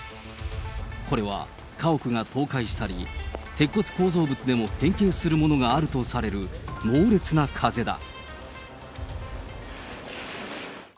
これは家屋が倒壊したり、鉄骨構造物でも変形するものがあるとされる猛烈な風だ。